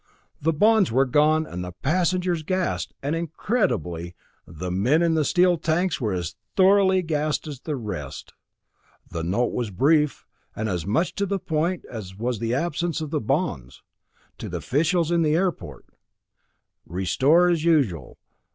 The bonds were gone and the passengers gassed, and incredibly, the men in the steel tanks were as thoroughly gassed as the rest. The note was brief, and as much to the point as was the absence of the bonds. To the Officials of the Airport: Restore as usual.